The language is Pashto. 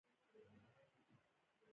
ومو لیدل چې جغرافیې او کلتور تړاو نه لري.